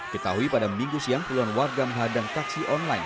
ketahui pada minggu siang puluhan warga menghadang taksi online